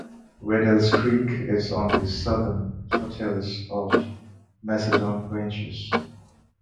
Riddells Creek is on the southern foothills of the Macedon Ranges.